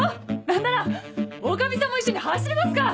何なら女将さんも一緒に走りますか！